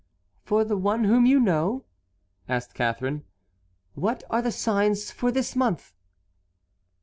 "For the one whom you know," asked Catharine, "what are the signs for this month?"